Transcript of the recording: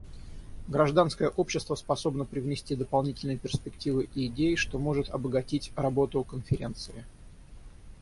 Гражданское общество способно привнести дополнительные перспективы и идеи, что может обогатить работу Конференции.